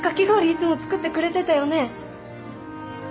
いつも作ってくれてたよね。